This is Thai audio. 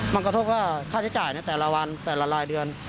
มันกระทบว่าค่าใช้จ่ายในแต่ละวันแต่ละรายเดือน